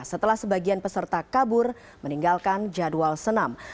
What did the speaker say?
setelah sebagian peserta kabur meninggalkan jadwal senam